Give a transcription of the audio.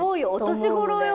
お年頃よ。